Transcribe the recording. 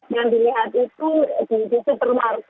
yang dilihat itu di supermarket